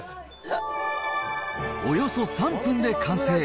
およそ３分で完成。